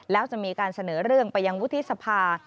แล้วจะมีการเสนอเรื่องไปยังวุฒิสภา